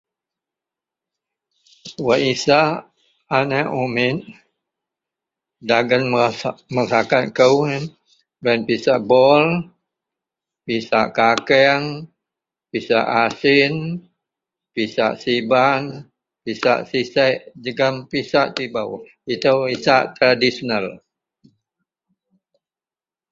Wak isak aneak umit dagen wa a makakat kou yen pisak bol, pisak kakeang, pisak asin, pisak siban, pisak sisiek jegem tibou. Itou isak tradisional